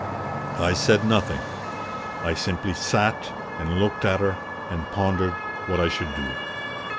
I said nothing. I simply sat and looked at her and pondered what I should do.